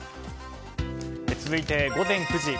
続いて午前９時。